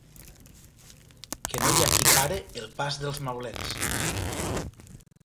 Que no hi ha qui pare el pas dels maulets.